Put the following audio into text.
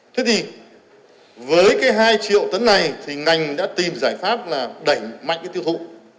thế thì với cái hai triệu tấn này thì ngành đã tìm giải pháp là đẩy mạnh cái tiêu thụ